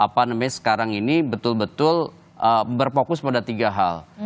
pandemi sekarang ini betul betul berfokus pada tiga hal